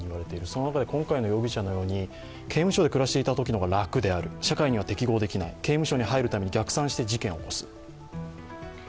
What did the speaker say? その中で今回の容疑者のように刑務所で暮らしていた方が楽である、社会に適応できない、刑務所に入るために逆算して事件を起こす。